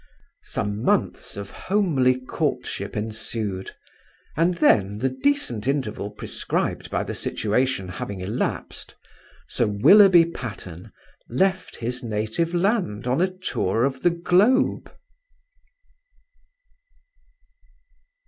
Some months of homely courtship ensued, and then, the decent interval prescribed by the situation having elapsed, Sir Willoughby Patterne left his native land on a tour of the globe.